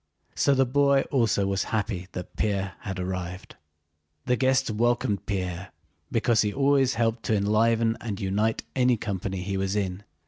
So the boy also was happy that Pierre had arrived. The guests welcomed Pierre because he always helped to enliven and unite any company he was in.